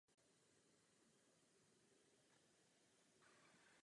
Je levým přítokem Donu.